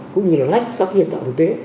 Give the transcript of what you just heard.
cũng như là lách các hiện tạo thực tế